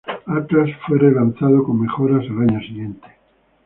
Atlas fue relanzado con mejoras al año siguiente.